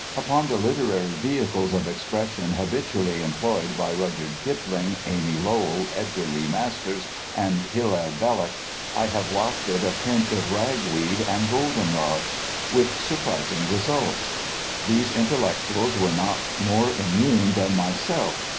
Upon the literary vehicles of expression habitually employed by Rudyard Kipling, Amy Lowell, Edgar Lee Masters, and Hilaire Belloc I have wafted a pinch of ragweed and goldenrod; with surprising results. These intellectuals were not more immune than myself.